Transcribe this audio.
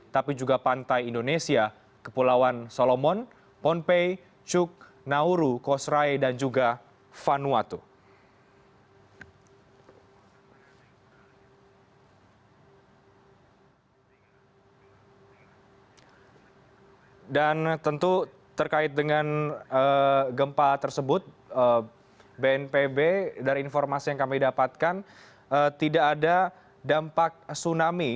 tapi juga pantai indonesia kepulauan solomon pompei cuk nauru kosrae dan juga vanuatu